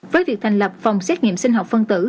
với việc thành lập phòng xét nghiệm sinh học phân tử